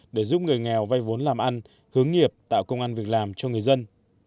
để giúp người nghèo vay vốn làm ăn hướng nghiệp tạo công an việc làm cho người dân